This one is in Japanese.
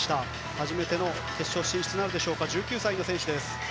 初めての決勝進出なるでしょうか１９歳の選手です。